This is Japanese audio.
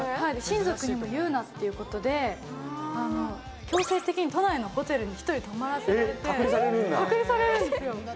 はい親族にも言うなっていうことで強制的に都内のホテルに１人で泊まらせられて隔離されるんだ隔離されるんですよ